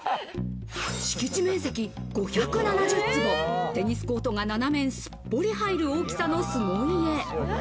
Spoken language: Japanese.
敷地面積５７０坪、テニスコートが７面すっぽり入る大きさの凄家。